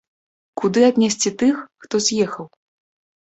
Куды аднесці тых, хто з'ехаў?